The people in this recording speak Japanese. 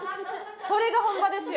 それが本場ですよ。